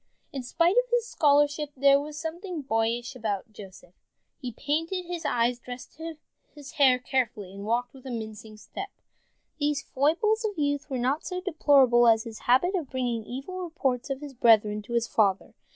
In spite of his scholarship there was something boyish about Joseph. He painted his eyes, dressed his hair carefully, and walked with a mincing step. These foibles of youth were not so deplorable as his habit of bringing evil reports of his brethren to his father.